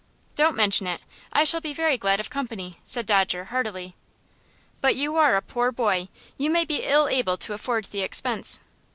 "Don't mention it. I shall be very glad of company," said Dodger, heartily. "But you are a poor boy. You may be ill able to afford the expense."